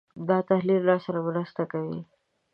دا تحلیل راسره مرسته کوي.